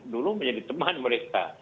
dulu menjadi teman mereka